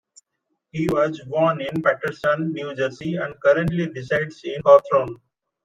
He was born in Paterson, New Jersey, and currently resides in Hawthorne.